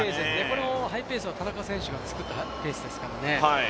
このハイペースは田中選手が作ったペースですからね。